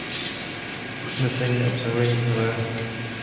Usnesení neobsahuje nic nového.